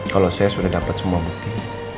kalau saya sudah dapat semua bukti